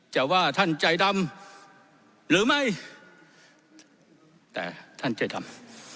ว่าท่านใจดำหรือไม่แต่ท่านใจดำ